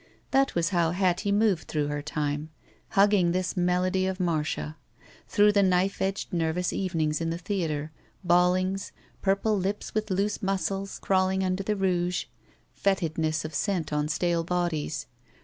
That was how Hattie moved through her time. Hugging this melody of Marcia. Through the knife edged nervous evemngs in the theater. Bawlings. Purple lips with loose muscles crawling imder the rouge. Fetidness of scent on stale bodies.